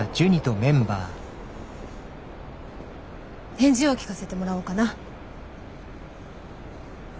返事を聞かせてもらおうかな。